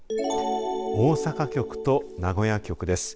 大阪局と名古屋局です。